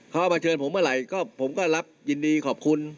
เขาเอามาเชิญผมเมื่อไหร่ก็ผมก็รับยินดีขอบคุณ